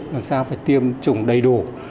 làm sao phải tiêm chủng đầy đủ